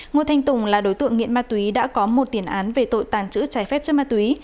ngô thanh tùng là đối tượng nghiện ma túy đã có một tiền án về tội tàng trữ trái phép chất ma túy